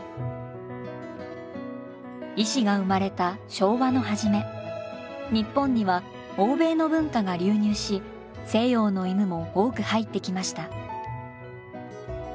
石が生まれた昭和の初め日本には欧米の文化が流入し西洋の犬も多く入ってきました。